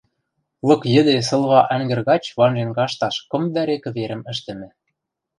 Лык йӹде Сылва ӓнгӹр гач ванжен кашташ кым вӓре кӹверӹм ӹштӹмӹ